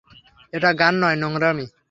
এটা গান নয়, নোংরামী।